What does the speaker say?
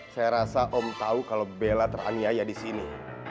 saya rasa om tahu kalau bella teraniaya disini